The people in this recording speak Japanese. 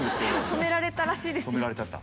染められたらしいですよ。